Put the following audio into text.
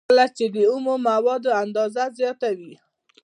کله چې د اومو موادو اندازه زیاته وي